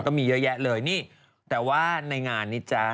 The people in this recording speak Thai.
ก็มีเยอะแยะเลยนี่แต่ว่าในงานนี้จ๊ะ